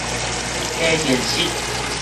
加現實